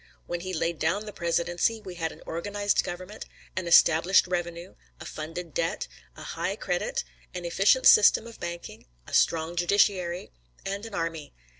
When he laid down the presidency, we had an organized government, an established revenue, a funded debt, a high credit, an efficient system of banking, a strong judiciary, and an army.